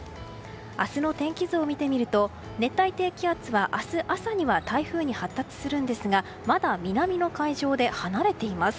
明日の天気図を見てみると熱帯低気圧は明日朝には台風に発達するんですがまだ南の海上で離れています。